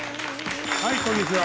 はいこんにちは。